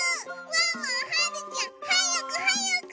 ワンワンはるちゃんはやくはやく！